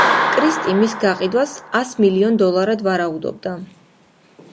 კრისტი მის გაყიდვას ას მილიონ დოლარად ვარაუდობდა.